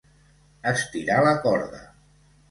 Estirar la corda.